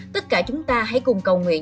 tất cả chúng ta hãy cùng cầu nguyện